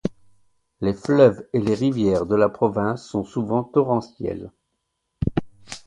Les fleuves et les rivières de la province sont souvent torrentiels.